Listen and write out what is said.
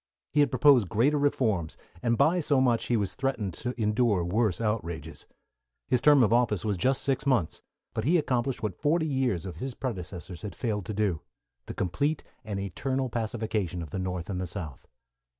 He had proposed greater reforms, and by so much he was threatened to endure worse outrages. His term of office was just six months, but he accomplished what forty years of his predecessors had failed to do the complete and eternal pacification of the North and the South.